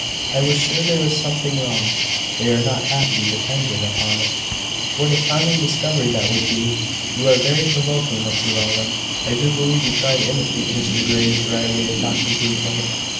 I was sure there was something wrong. They are not happy, depend upon it." "What a charming discovery that would be!" "You are very provoking, Mr Rowland! I do believe you try to imitate Mr Grey's dry way of talking to his wife."